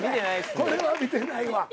これは見てないわ。